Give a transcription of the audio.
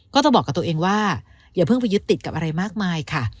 ก็จะบอกกับตัวเองว่าอย่าเพิ่งไปยึดติดกับอะไรมากมายค่ะ